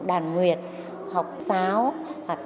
mà mình có được